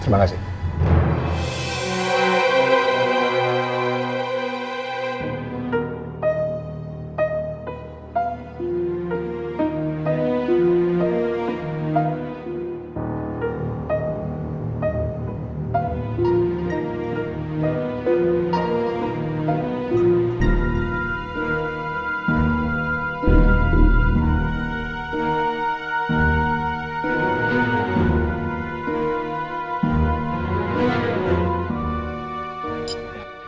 terima kasih pak bimani